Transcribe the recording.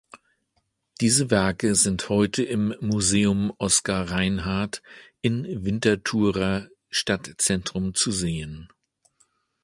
Diese Werke sind heute im Museum Oskar Reinhart in Winterthurer Stadtzentrum zu sehen.